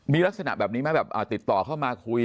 มีลักษณะแบบนี้ไหมแบบติดต่อเข้ามาคุย